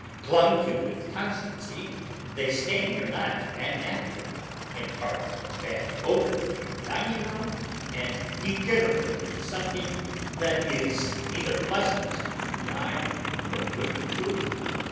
Clung to with constancy, they stain your knife and napkin, impart a bad odor to your dining room, and degenerate into something that is neither pleasant to the eye nor good for food.